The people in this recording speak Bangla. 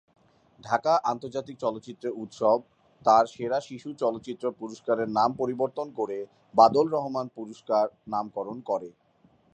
ঢাকা আন্তর্জাতিক চলচ্চিত্র উৎসব তার সেরা শিশু চলচ্চিত্র পুরস্কারের নাম পরিবর্তন করে বাদল রহমান পুরস্কার নামকরণ করে।